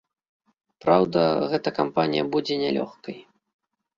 Праўда, гэта кампанія будзе не лёгкай.